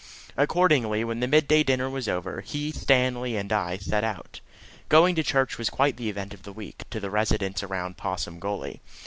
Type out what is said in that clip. Accordingly, when the midday dinner was over, he, Stanley, and I set out. Going to church was quite the event of the week to the residents around Possum Gully.